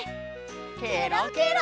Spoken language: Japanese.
ケロケロ！